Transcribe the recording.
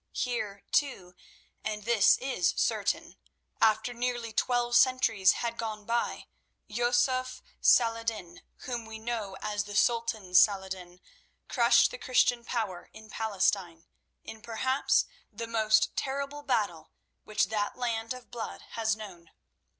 Here, too—and this is certain—after nearly twelve centuries had gone by, Yusuf Salah ed din, whom we know as the Sultan Saladin, crushed the Christian power in Palestine in perhaps the most terrible battle which that land of blood has known.